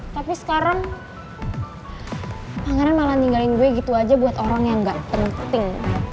tapi sekarang pangeran malah ninggalin gue gitu aja buat orang yang gak penting